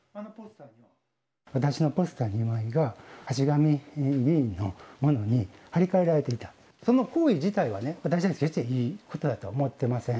私のポスター２枚が、橋上議員のものに貼り替えられていた、その行為自体はね、私はいいことだとは思ってません。